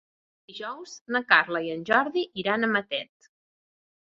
Dijous na Carla i en Jordi iran a Matet.